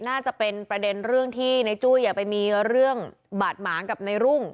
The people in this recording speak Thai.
น่าจะเป็นประเด็นเรื่องที่ในจุ้ยไปมีเรื่องบาดหมางกับในรุ่ง